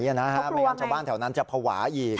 ไม่งั้นชาวบ้านแถวนั้นจะภาวะอีก